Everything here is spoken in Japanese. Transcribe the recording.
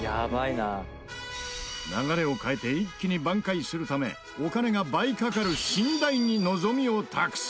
流れを変えて一気に挽回するためお金が倍かかる新台に望みを託す。